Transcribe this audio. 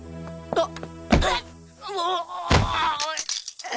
あっ。